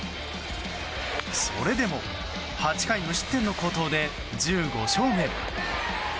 それでも８回無失点の好投で１５勝目。